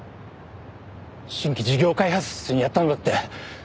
新規事業開発室にやったのだって